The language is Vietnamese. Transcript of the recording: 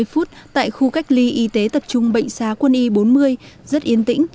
hai mươi h hai mươi tại khu cách ly y tế tập trung bệnh xá quân y bốn mươi rất yên tĩnh